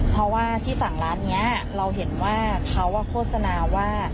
เพราะว่าที่สั่งร้านนี้เราเห็นว่าเขาโฆษณาว่า